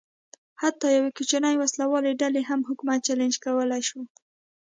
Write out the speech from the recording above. حتی یوې کوچنۍ وسله والې ډلې هم حکومت چلنج کولای شو.